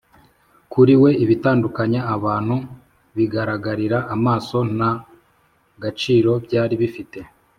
kuri we, ibitandukanya abantu bigaragarira amaso nta gaciro byari bifite